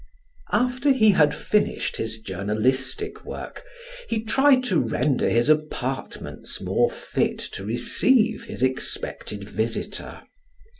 After he had finished his journalistic work, he tried to render his apartments more fit to receive his expected visitor.